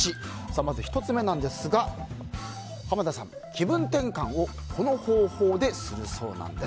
まず１つ目ですが濱田さん、気分転換をこの方法でするそうです。